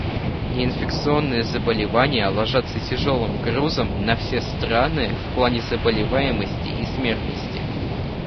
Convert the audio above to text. Неинфекционные заболевания ложатся тяжелым грузом на все страны в плане заболеваемости и смертности.